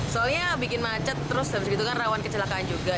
soalnya bikin macet terus habis gitu kan rawan kecelakaan juga